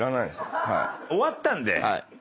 終わったんで。